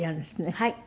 はい。